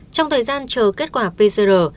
trong thời gian chờ kết quả pcr